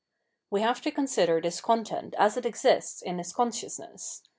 We have to consider this content as it exists in its consciousness.